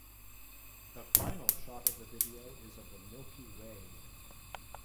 The final shot of the video is of the Milky Way.